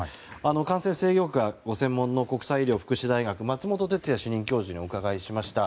感染制御学がご専門の国際医療福祉大学の松本哲哉主任教授に伺いました。